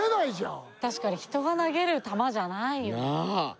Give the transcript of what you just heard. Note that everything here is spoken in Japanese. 確かに人が投げる球じゃないよなあ・